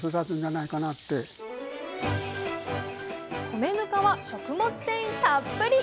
米ぬかは食物繊維たっぷり！